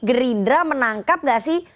gerindra menangkap nggak sih